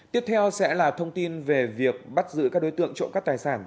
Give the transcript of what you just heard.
tiếp theo sẽ là thông tin về việc bắt giữ các đối tượng trộm cắp tài sản